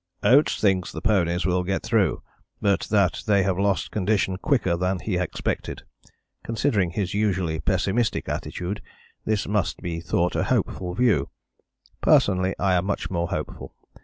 "Oates thinks the ponies will get through, but that they have lost condition quicker than he expected. Considering his usually pessimistic attitude this must be thought a hopeful view. Personally I am much more hopeful.